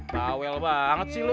bawel banget sih lu